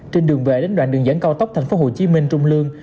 trên đường về đến đoạn đường dẫn cao tốc tp hcm trung lương